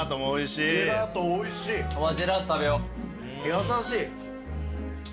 優しい。